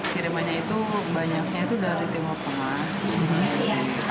kirimannya itu banyaknya dari timor tengah